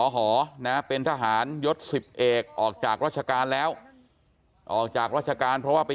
หอนะเป็นทหารยศ๑๐เอกออกจากราชการแล้วออกจากราชการเพราะว่าไป